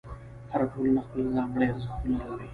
هره ټولنه خپل ځانګړي ارزښتونه لري.